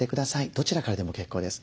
どちらからでも結構です。